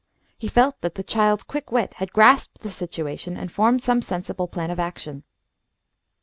He felt that the child's quick wit had grasped the situation and formed some sensible plan of action.